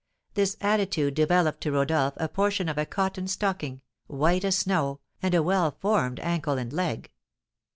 This attitude developed to Rodolph a portion of a cotton stocking, white as snow, and a well formed ankle and leg.